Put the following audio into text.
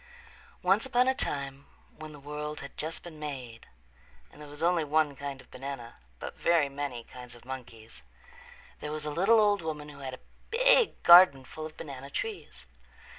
Once upon a time when the world had just been made and there was only one kind of banana, but very many kinds of monkeys, there was a little old woman who had a big garden full of banana trees.